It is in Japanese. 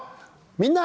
「みんな！